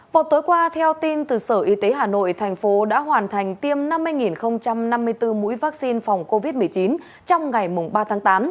vào tối qua theo tin từ sở y tế hà nội thành phố đã hoàn thành tiêm năm mươi năm mươi bốn mũi vaccine phòng covid một mươi chín trong ngày ba tháng tám